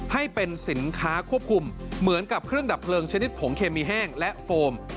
ให้เป็นสินค้าควบคุมเหมือนกับเครื่องดับเพลิงชนิดผงเคมีแห้งและโฟม